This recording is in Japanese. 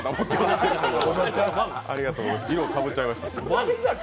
色かぶっちゃいましたね。